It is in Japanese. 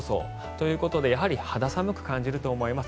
ということでやはり肌寒く感じると思います。